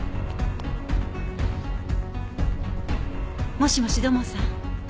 もしもし土門さん。